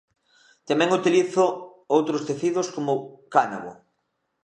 Tamén utilizo outros tecidos como cánabo.